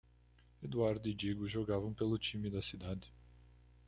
Eduardo e Digo jogavam pelo time da cidade.